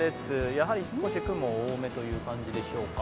やはり少し、雲多めという感じでしょうか？